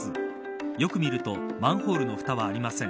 よく見るとマンホールの蓋はありません。